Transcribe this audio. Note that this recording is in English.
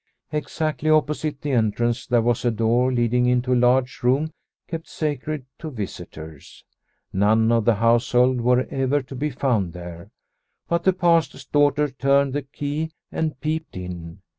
Exactly opposite the entrance there was a door leading into a large room kept sacred to visitors. None of the household were ever to be found there, but the Pastor's daughter turned the key and peeped in.